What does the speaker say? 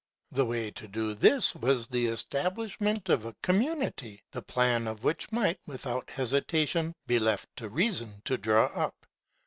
The way to do this, was the establishment of a com munity, the plan of which might, without hesi tation, be left to Reason to draw up.